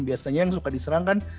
biasanya yang suka diserang kan